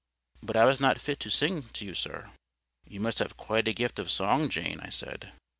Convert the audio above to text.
But I was not fit to sing to you, sir." "You must have quite a gift of song, Jane!" I said.